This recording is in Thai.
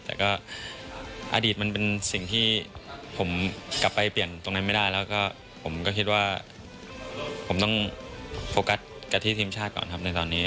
แต่ก็อดีตมันเป็นสิ่งที่ผมกลับไปเปลี่ยนตรงนั้นไม่ได้แล้วก็ผมก็คิดว่าผมต้องโฟกัสกับที่ทีมชาติก่อนครับในตอนนี้